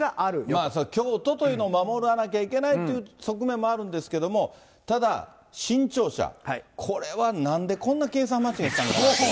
まあ、それは京都というのを守らなきゃいけないという側面もあるんですけれども、ただ、新庁舎、これはなんでこんな計算間違いしたんだろうって。